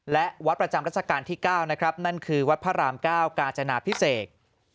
และวัดประจำรัชกาลที่๙นะครับนั่นคือวัดพระราม๙กาจนาพิเศษ